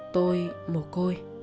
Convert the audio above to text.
tôi mồ côi